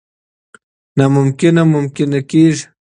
نا ممکنه ممکنه کېږي.